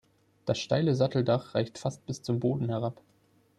Das steile Satteldach reicht fast bis zum Boden herab.